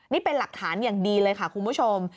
นี่เป็นหลักฐานอย่างดีเลยค่ะคุณผู้ชม